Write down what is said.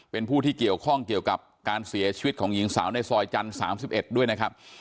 เป็นผู้ที่เกี่ยวข้องเกี่ยวกับการเสียชีวิตของหญิงสาวในซอยจันทร์๓๑ด้วยนะครับ